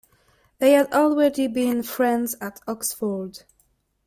They had already been friends at Oxford.